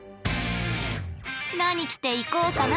何着ていこうかな。